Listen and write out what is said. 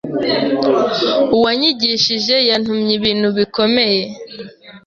uwanyigishije yantumye ibintu bikomeye